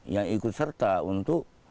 yang ikut serta untuk